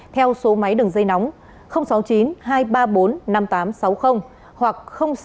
theo số máy đường dây nóng sáu mươi chín hai trăm ba mươi bốn năm nghìn tám trăm sáu mươi hoặc sáu mươi chín hai trăm ba mươi hai một nghìn sáu trăm bảy